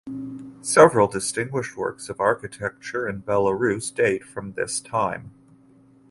Several distinguished works of architecture in Belarus date from this time.